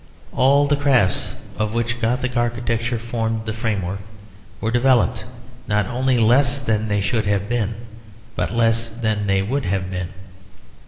All the crafts of which Gothic architecture formed the frame work were developed, not only less than they should have been, but less than they would have been.